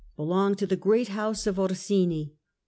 belonged to the great house of Orsini.